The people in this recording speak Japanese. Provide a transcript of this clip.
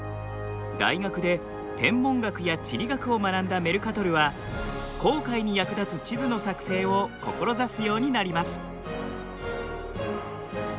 大学で天文学や地理学を学んだメルカトルは航海に役立つ地図の作成を志すようになります。